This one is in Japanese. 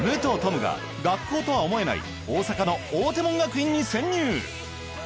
夢が学校とは思えない大阪の追手門学院に潜入！